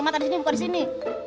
mata di sini bukan di sini